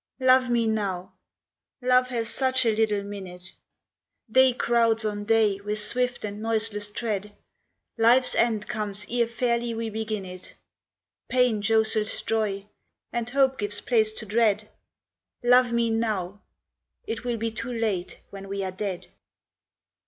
:1OVE me now ! Love has such a little minute ! Day crowds on day with swift and noiseless tread, Life s end comes ere fairly we begin it ; Pain jostles joy, and hope gives place to dread. Love me now ! It will be too late when we are dead